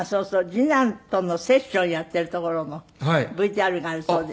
次男とのセッションをやっているところのＶＴＲがあるそうです。